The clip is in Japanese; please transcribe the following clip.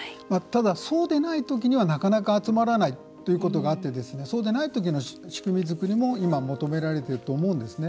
そうでない時にはなかなか集まらないということもあってそうでない時の仕組み作りも今、求められていると思うんですね。